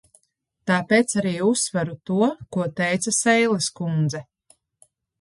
Tāpēc arī uzsveru to, ko teica Seiles kundze.